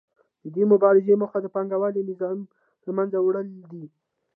د دې مبارزې موخه د پانګوالي نظام له منځه وړل دي